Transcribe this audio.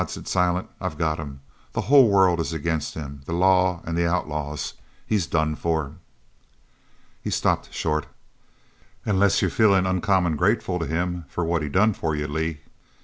said Silent. "I've got him! The whole world is agin him the law an' the outlaws. He's done for!" He stopped short. "Unless you're feelin' uncommon grateful to him for what he done for you, Lee?"